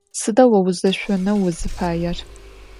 Сыда о узэшъонэу узыфаер?